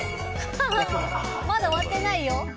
まだ終わってないよ。